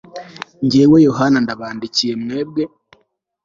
jyewe yohana ndabandikiye mwebwe